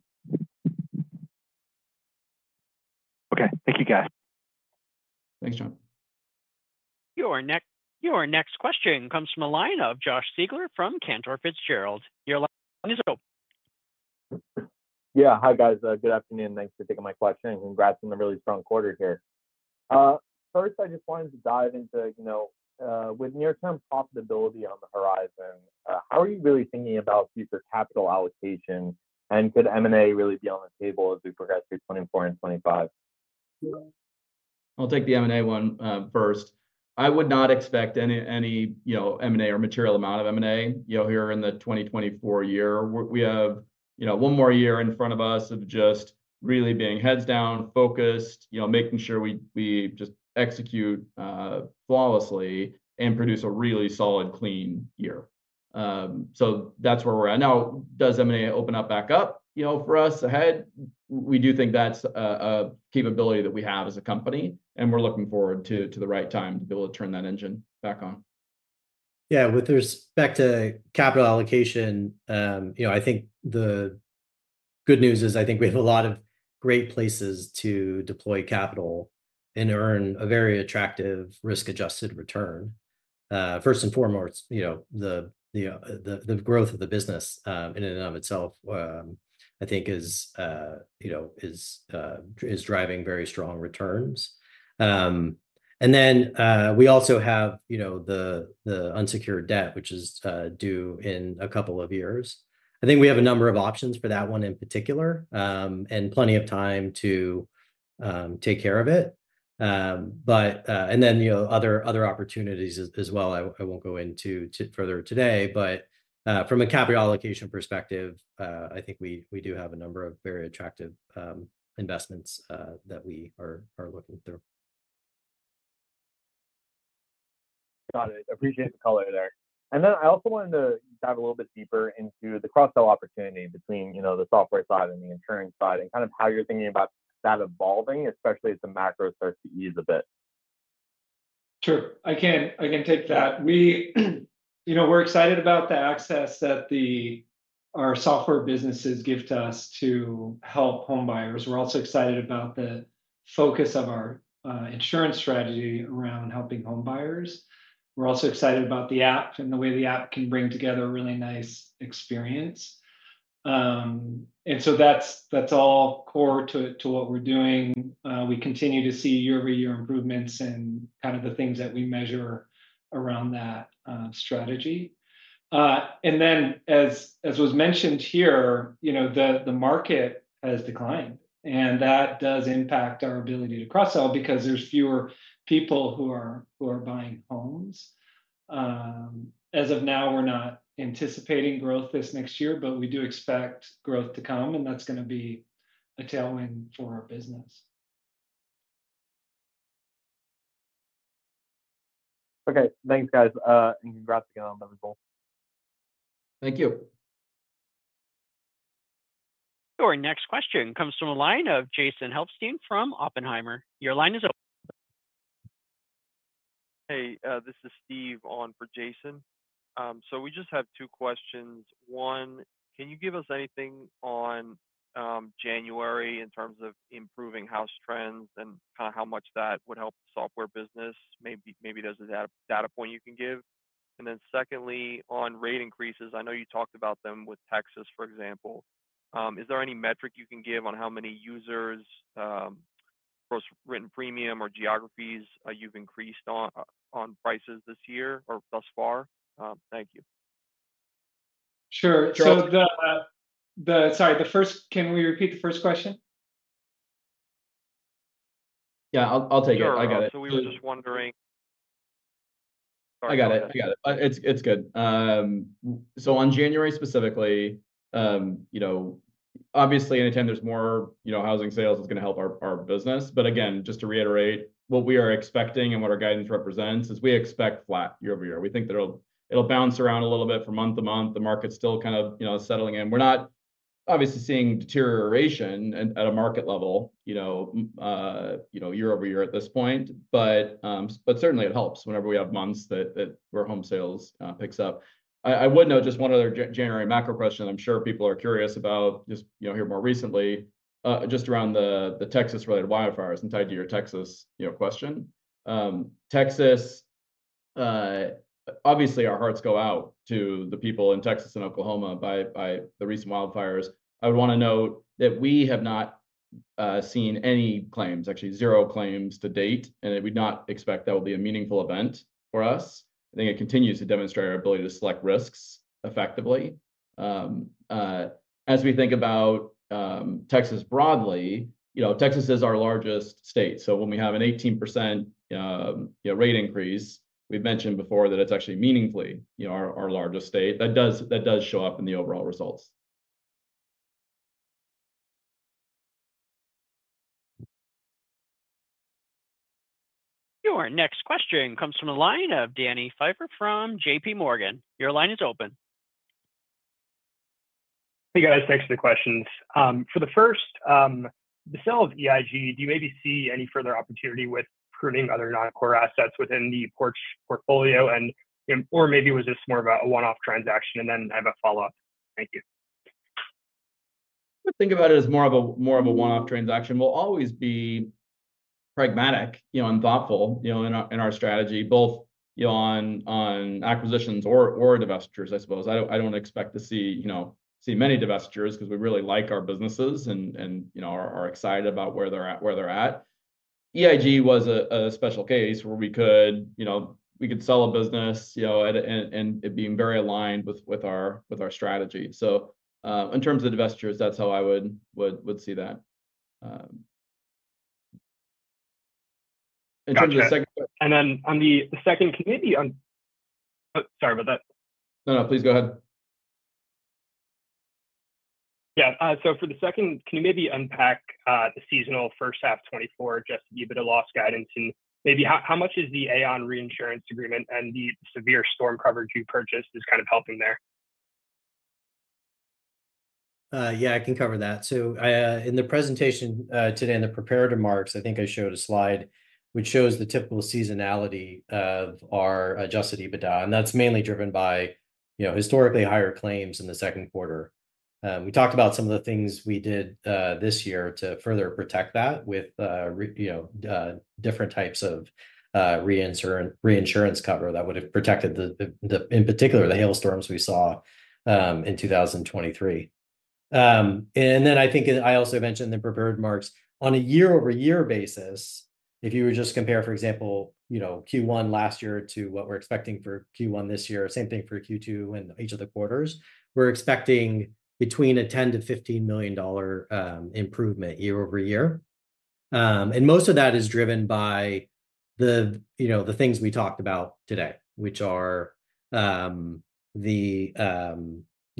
Okay, thank you, guys. Thanks, John. Your next, your next question comes from the line of Josh Siegel from Cantor Fitzgerald. Your line is open. Yeah. Hi, guys. Good afternoon. Thanks for taking my question, and congrats on a really strong quarter here. First, I just wanted to dive into, you know, with near-term profitability on the horizon, how are you really thinking about future capital allocation? And could M&A really be on the table as we progress through 2024 and 2025? I'll take the M&A one first. I would not expect any, any, you know, M&A or material amount of M&A, you know, here in the 2024 year. We, we have, you know, one more year in front of us of just really being heads down, focused, you know, making sure we, we just execute flawlessly and produce a really solid, clean year. So that's where we're at now. Does M&A open up back up, you know, for us ahead? We do think that's a, a capability that we have as a company, and we're looking forward to, to the right time to be able to turn that engine back on. Yeah, with respect to capital allocation, you know, I think the good news is I think we have a lot of great places to deploy capital and earn a very attractive risk-adjusted return. First and foremost, you know, the growth of the business, in and of itself, I think is, you know, is driving very strong returns. And then, we also have, you know, the unsecured debt, which is due in a couple of years. I think we have a number of options for that one in particular, and plenty of time to take care of it. But... And then, you know, other opportunities as well, I won't go into it further today. But, from a capital allocation perspective, I think we do have a number of very attractive investments that we are looking through. Got it. Appreciate the color there. Then I also wanted to dive a little bit deeper into the cross-sell opportunity between, you know, the software side and the insurance side, and kind of how you're thinking about that evolving, especially as the macro starts to ease a bit. Sure, I can, I can take that. We, you know, we're excited about the access that our software businesses give to us to help homebuyers. We're also excited about the focus of our insurance strategy around helping homebuyers. We're also excited about the app and the way the app can bring together a really nice experience. And so that's, that's all core to, to what we're doing. We continue to see year-over-year improvements and kind of the things that we measure around that strategy. And then, as, as was mentioned here, you know, the, the market has declined, and that does impact our ability to cross-sell because there's fewer people who are, who are buying homes. As of now, we're not anticipating growth this next year, but we do expect growth to come, and that's gonna be a tailwind for our business. Okay. Thanks, guys. Congrats again on the results. Thank you. Your next question comes from a line of Jason Helfstein from Oppenheimer. Your line is open. Hey, this is Steve on for Jason. So we just have two questions. One, can you give us anything on, January in terms of improving house trends and kind of how much that would help the software business? Maybe there's a data point you can give. And then secondly, on rate increases, I know you talked about them with Texas, for example. Is there any metric you can give on how many users, or written premium or geographies, you've increased on prices this year or thus far? Thank you. Sure. Josh- Sorry, can we repeat the first question? Yeah, I'll, I'll take it. Sure. I got it. So we were just wondering... Sorry. I got it. I got it. It's, it's good. So on January, specifically, you know, obviously, anytime there's more, you know, housing sales, it's gonna help our, our business. But again, just to reiterate, what we are expecting and what our guidance represents is we expect flat year-over-year. We think that it'll, it'll bounce around a little bit from month to month. The market's still kind of, you know, settling in. We're not obviously seeing deterioration at, at a market level, you know, year-over-year at this point. But, but certainly it helps whenever we have months that, that, where home sales picks up. I would note just one other January macro question I'm sure people are curious about, just, you know, here more recently, just around the Texas-related wildfires and tied to your Texas, you know, question. Texas, obviously, our hearts go out to the people in Texas and Oklahoma by the recent wildfires. I would want to note that we have not seen any claims, actually zero claims to date, and we'd not expect that will be a meaningful event for us. I think it continues to demonstrate our ability to select risks effectively. As we think about Texas broadly, you know, Texas is our largest state, so when we have an 18% rate increase, we've mentioned before that it's actually meaningfully, you know, our largest state. That does, that does show up in the overall results. Your next question comes from a line of Danny Pfeiffer from JP Morgan. Your line is open. Hey, guys. Thanks for the questions. For the first, the sale of EIG, do you maybe see any further opportunity with pruning other non-core assets within the Porch portfolio, and, or maybe was this more of a one-off transaction? And then I have a follow-up. Thank you.... I think about it as more of a one-off transaction. We'll always be pragmatic, you know, and thoughtful, you know, in our strategy, both, you know, on acquisitions or divestitures, I suppose. I don't expect to see, you know, many divestitures 'cause we really like our businesses and, you know, are excited about where they're at. EIG was a special case where we could, you know, sell a business, you know, and it being very aligned with our strategy. So, in terms of divestitures, that's how I would see that. In terms of the second- Gotcha. And then on the second committee on... Oh, sorry about that. No, no, please go ahead. Yeah, so for the second, can you maybe unpack the seasonal first half 2024, just to give it a loss guidance? And maybe how, how much is the Aon reinsurance agreement and the severe storm coverage you purchased is kind of helping there? Yeah, I can cover that. So I, in the presentation today, in the prepared remarks, I think I showed a slide which shows the typical seasonality of our Adjusted EBITDA, and that's mainly driven by, you know, historically higher claims in the Q2. We talked about some of the things we did this year to further protect that with, you know, different types of reinsurance cover that would've protected the in particular, the hailstorms we saw in 2023. And then I think, and I also mentioned the prepared remarks, on a year-over-year basis, if you were just compare, for example, you know, Q1 last year to what we're expecting for Q1 this year, same thing for Q2 and each of the quarters, we're expecting between a $10-$15 million improvement year-over-year. And most of that is driven by the, you know, the things we talked about today, which are, you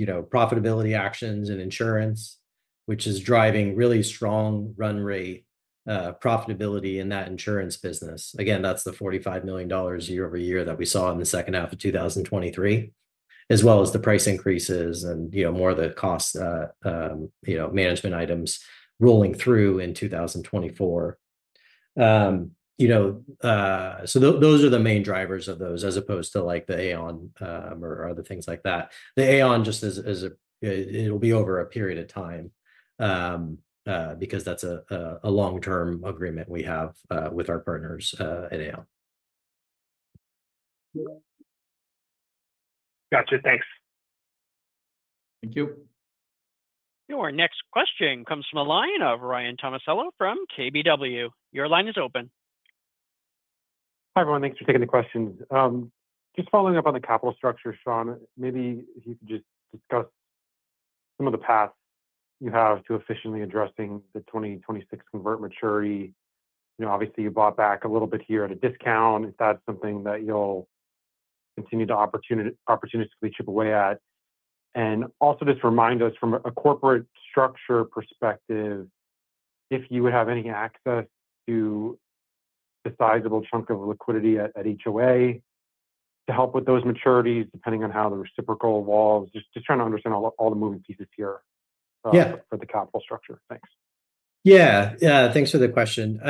know, profitability actions and insurance, which is driving really strong run rate profitability in that insurance business. Again, that's the $45 million year-over-year that we saw in the second half of 2023, as well as the price increases and, you know, more of the cost, you know, management items rolling through in 2024. You know, so those are the main drivers of those, as opposed to, like, the Aon, or other things like that. The Aon just is a, it'll be over a period of time, because that's a long-term agreement we have with our partners at Aon. Gotcha. Thanks. Thank you. Your next question comes from the line of Ryan Tomasello from KBW. Your line is open. Hi, everyone. Thanks for taking the questions. Just following up on the capital structure, Shawn, maybe if you could just discuss some of the paths you have to efficiently addressing the 2026 convert maturity. You know, obviously, you bought back a little bit here at a discount, if that's something that you'll continue to opportunistically chip away at. And also just remind us from a corporate structure perspective, if you would have any access to a sizable chunk of liquidity at HOA to help with those maturities, depending on how the reciprocal evolves. Just trying to understand all the moving pieces here. Yeah... for the capital structure. Thanks. Yeah. Yeah, thanks for the question.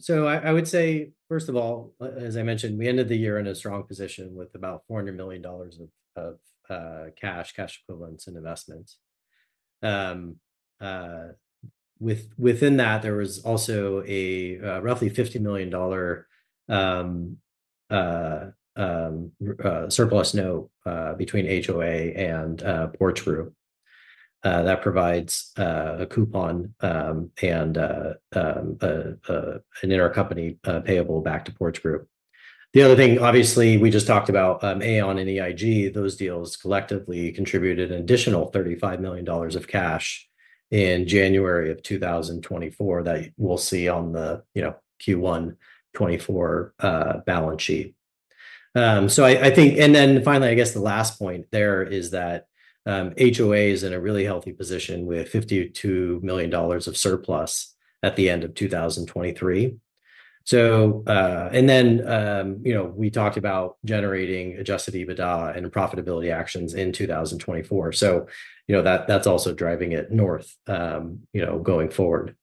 So I would say, first of all, as I mentioned, we ended the year in a strong position with about $400 million of cash, cash equivalents and investments. Within that, there was also a roughly $50 million surplus note between HOA and Porch Group that provides a coupon and an intercompany payable back to Porch Group. The other thing, obviously, we just talked about, Aon and EIG. Those deals collectively contributed an additional $35 million of cash in January of 2024 that we'll see on the, you know, Q1 2024 balance sheet. So I think... And then finally, I guess the last point there is that, HOA is in a really healthy position with $52 million of surplus at the end of 2023. So, and then, you know, we talked about generating Adjusted EBITDA and profitability actions in 2024. So, you know, that, that's also driving it north, you know, going forward.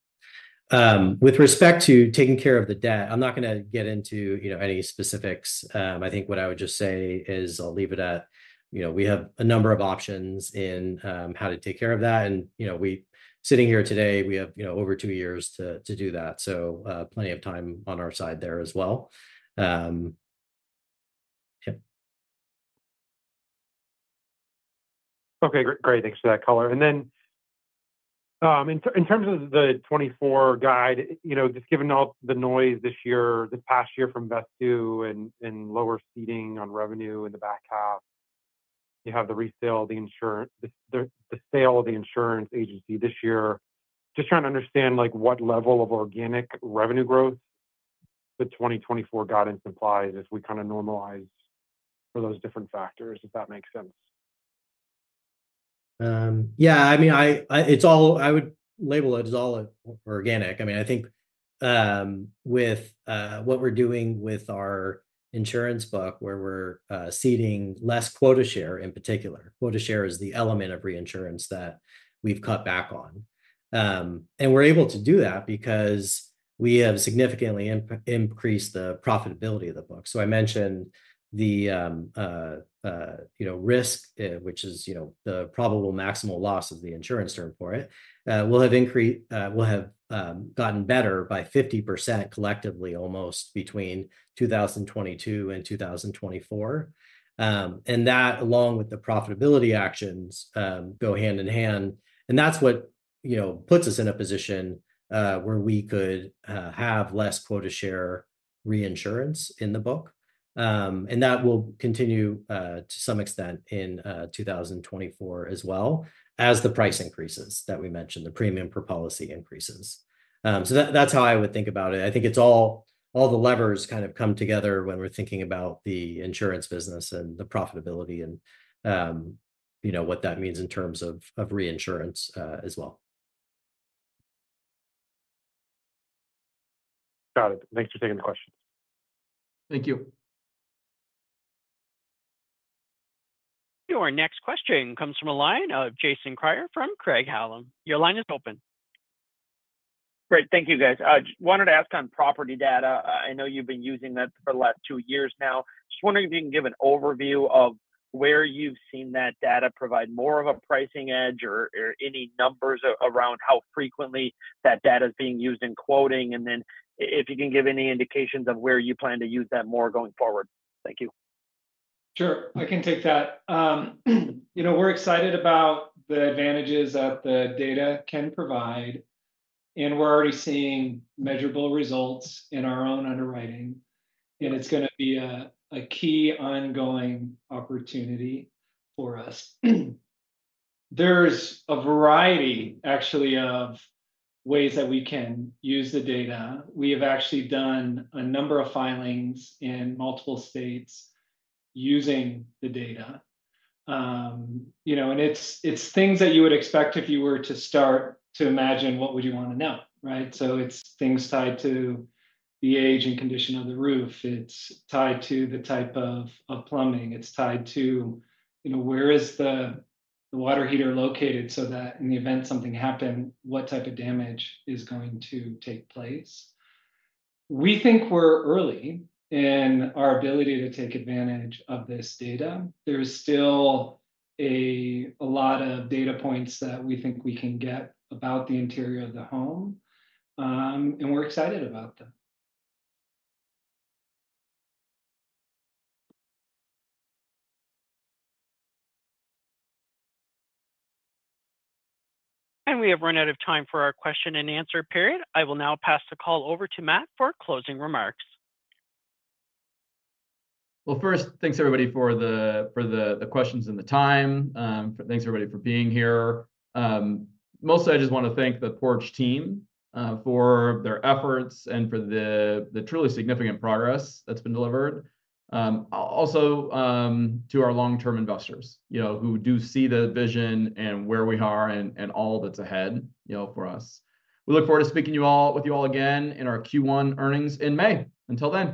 With respect to taking care of the debt, I'm not gonna get into, you know, any specifics. I think what I would just say is I'll leave it at, you know, we have a number of options in, how to take care of that. And, you know, we-- sitting here today, we have, you know, over two years to, to do that, so, plenty of time on our side there as well. Yeah. Okay, great. Thanks for that color. And then, in terms of the 2024 guide, you know, just given all the noise this year, this past year from Vesttoo and lower ceding on revenue in the back half, you have the resale of the insurance—the sale of the insurance agency this year. Just trying to understand, like, what level of organic revenue growth the 2024 guidance implies as we kind of normalize for those different factors, if that makes sense. Yeah, I mean, it's all organic. I would label it as all organic. I mean, I think, with what we're doing with our insurance book, where we're ceding less quota share in particular. Quota share is the element of reinsurance that we've cut back on, and we're able to do that because we have significantly increased the profitability of the book. So I mentioned the, you know, risk, which is, you know, the probable maximal loss, the insurance term for it, will have increased, will have gotten better by 50% collectively, almost between 2022 and 2024. And that, along with the profitability actions, go hand in hand, and that's what, you know, puts us in a position, where we could, have less quota share reinsurance in the book. And that will continue, to some extent in, 2024, as well as the price increases that we mentioned, the premium per policy increases. So that, that's how I would think about it. I think it's all, all the levers kind of come together when we're thinking about the insurance business and the profitability and, you know, what that means in terms of, of reinsurance, as well. Got it. Thanks for taking the question. Thank you. Your next question comes from the line of Jason Kreyer from Craig-Hallum. Your line is open. Great. Thank you, guys. I just wanted to ask on property data. I know you've been using that for the last two years now. Just wondering if you can give an overview of where you've seen that data provide more of a pricing edge or any numbers around how frequently that data is being used in quoting, and then if you can give any indications of where you plan to use that more going forward. Thank you. Sure, I can take that. You know, we're excited about the advantages that the data can provide, and we're already seeing measurable results in our own underwriting. It's gonna be a key ongoing opportunity for us. There's a variety, actually, of ways that we can use the data. We have actually done a number of filings in multiple states using the data. You know, and it's things that you would expect if you were to start to imagine what would you want to know, right? So it's things tied to the age and condition of the roof. It's tied to the type of plumbing. It's tied to, you know, where is the water heater located, so that in the event something happened, what type of damage is going to take place? We think we're early in our ability to take advantage of this data. There's still a lot of data points that we think we can get about the interior of the home, and we're excited about them. We have run out of time for our question and answer period. I will now pass the call over to Matt for closing remarks. Well, first, thanks, everybody, for the questions and the time. Thanks, everybody, for being here. Mostly, I just want to thank the Porch team for their efforts and for the truly significant progress that's been delivered. Also, to our long-term investors, you know, who do see the vision and where we are and all that's ahead, you know, for us. We look forward to speaking with you all again in our Q1 earnings in May. Until then.